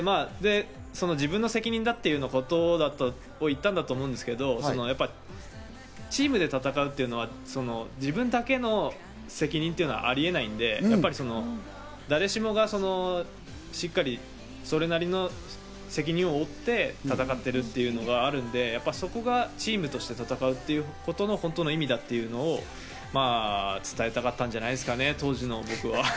自分の責任だっていうことを言ったと思うんですけど、チームで戦うっていうのは自分だけの責任というのはあり得ないんで、誰しもがしっかりそれなりの責任を負って戦っているというのがあるんで、そこがチームとして戦うということの本当の意味だというのをまぁ伝えたかったんじゃないですかね、当時の僕は。